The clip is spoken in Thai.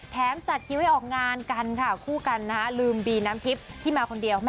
จัดคิวให้ออกงานกันค่ะคู่กันนะฮะลืมบีน้ำทิพย์ที่มาคนเดียว